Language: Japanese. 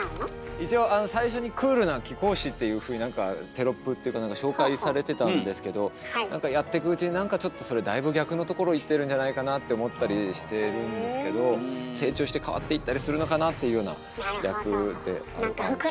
一応最初に「クールな貴公子」っていうふうにテロップっていうかなんか紹介されてたんですけどやってくうちになんかちょっとそれだいぶ逆のところいってるんじゃないかなって思ったりしてるんですけど成長して変わっていったりするのかなっていうような役で。